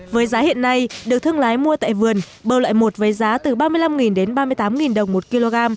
với giá hiện nay được thương lái mua tại vườn bơ loại một với giá từ ba mươi năm đến ba mươi tám đồng một kg